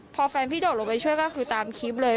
พอแฟนพี่โดดลงไปช่วยก็คือตามคลิปเลย